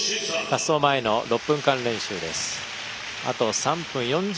滑走前の６分間練習です。